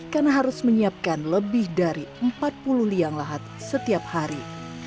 karena harus menyiapkan lebih dari empat puluh liang lahat setiap hari